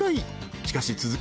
［しかし続く